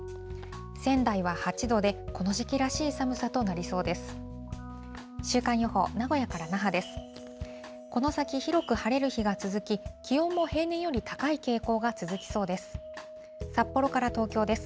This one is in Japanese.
仙台は８度で、この時期らしい寒さとなりそうです。